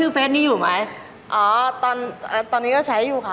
พี่คุ้งเนอะใช่ค่ะ